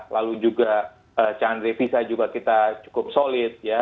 lalu juga chance revisa juga kita cukup solid ya